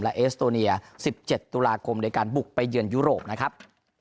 และเอสโตเนีย๑๗ตุลาคมในการบุกไปเยือนยุโรปนะครับ